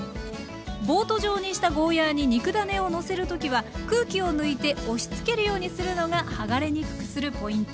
ボート上にしたゴーヤーに肉ダネをのせる時は空気を抜いて押しつけるようにするのがはがれにくくするポイント。